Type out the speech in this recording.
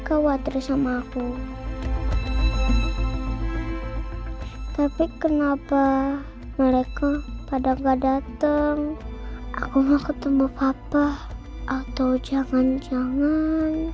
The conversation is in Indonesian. khawatir sama aku tapi kenapa mereka pada datang aku nggak ketemu papa atau jangan jangan